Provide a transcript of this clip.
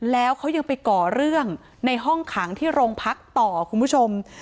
แล้วเขายังไปก่อเรื่องในห้องขังที่โรงพักต่อคุณผู้ชม